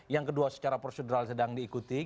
yang kedua secara prosedural sedang diikuti